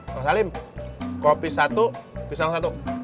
mas alim kopi satu pisang satu